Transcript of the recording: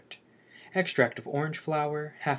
Extract of orange flower 30 fl.